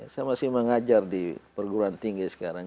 saya masih mengajar di perguruan tinggi sekarang